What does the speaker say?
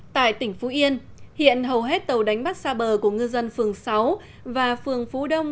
tại tỉnh phú yên hiện hầu hết tàu đánh bắt xa bờ của ngư dân phường sáu và phường phú đông